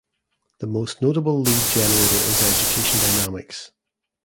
The most notable lead generator is Education Dynamics.